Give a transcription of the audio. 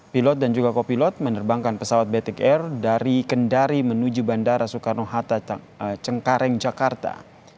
pilot dan juga kopilot menerbangkan pesawat batik air dari kendari menuju bandara soekarno hatta cengkareng jakarta